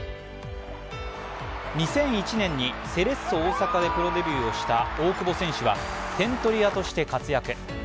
２００１年にセレッソ大阪でプロデビューをした大久保選手は点取り屋として活躍。